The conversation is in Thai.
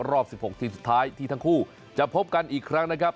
รอบ๑๖ทีมสุดท้ายที่ทั้งคู่จะพบกันอีกครั้งนะครับ